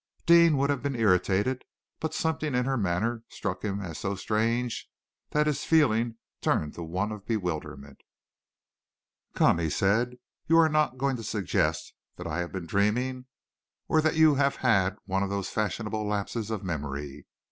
Deane would have been irritated, but something in her manner struck him as so strange that his feeling turned to one of bewilderment. "Come," he said, "you are not going to suggest that I have been dreaming, or that you have had one of these fashionable lapses of memory?